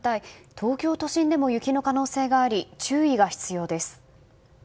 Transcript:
東京都心でも雪の可能性があり注意が必要です。